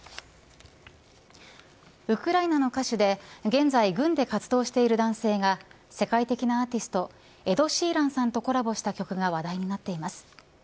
ウクライナの歌手で現在軍で活動している男性が世界的なアーティストエド・シーランさんとコラボした曲が話題になっています。